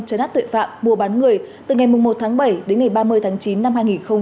cho nát tội phạm mua bán người từ ngày một tháng bảy đến ngày ba mươi tháng chín năm hai nghìn hai mươi một